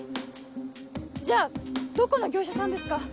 じゃあどこの業者さんですか？